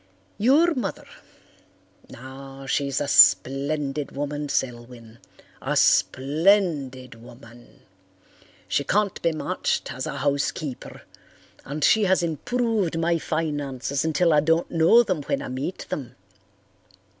Your mother—now, she's a splendid woman, Selwyn, a splendid woman. She can't be matched as a housekeeper and she has improved my finances until I don't know them when I meet them.